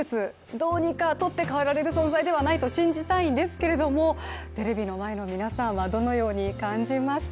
どうにか取って代わられる存在ではないと信じたいんですけど、テレビの前の皆さんはどのように感じますか。